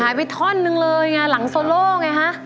หายไปท่อนหนึ่งเลยอย่างนี้หลังโซโล่ไงฮะ